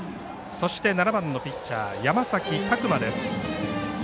そして７番のピッチャー山崎琢磨です。